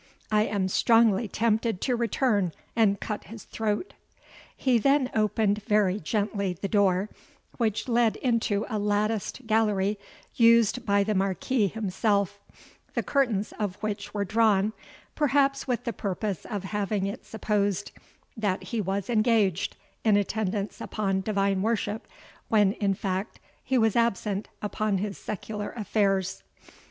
I am strongly tempted to return and cut his throat." He then opened very gently the door, which led into a latticed gallery used by the Marquis himself, the curtains of which were drawn, perhaps with the purpose of having it supposed that he was engaged in attendance upon divine worship, when, in fact, he was absent upon his secular affairs.